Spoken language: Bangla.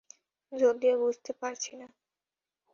যদিও বুঝতে পারছি না।